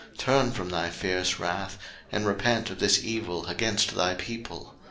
Turn from thy fierce wrath, and repent of this evil against thy people.